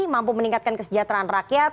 mampu meningkatkan kesejahteraan rakyat